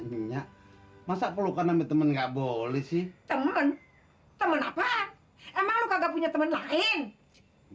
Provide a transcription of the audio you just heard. ya enak masa pelukan sama temen nggak boleh sih temen temen apa emang lu kagak punya temen lain